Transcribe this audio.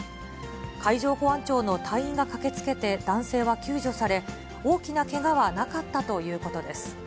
海上保安庁の隊員が駆けつけて、男性は救助され、大きなけがはなかったということです。